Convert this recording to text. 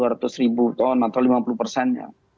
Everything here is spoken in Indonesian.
dua ratus ribu ton atau lima puluh persennya